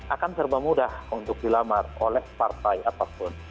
akan serba mudah untuk dilamar oleh partai apapun